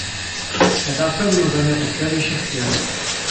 Это особенно заметно в следующих сферах.